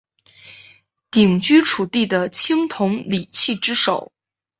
鼎居楚地的青铜礼器之首。